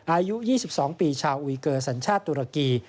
อายุ๒๒ปีชาวอุยเกอร์สัญชาติตุรกี